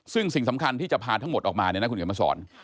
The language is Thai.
ซึ่งสิ่งสำคัญที่จะพาทั้งหมดออกมาเนี่ยนะคุณเขียนมาสอน